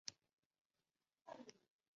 甘道夫建议接应救往瑞文戴尔。